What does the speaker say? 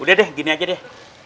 udah deh gini aja deh